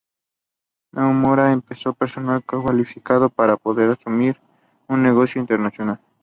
Nomura empleó personal cualificado para poder asumir un negocio internacional.